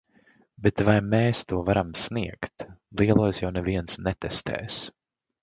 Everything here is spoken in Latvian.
Bet vai mēs to varam sniegt. Lielos jau neviens netestēs.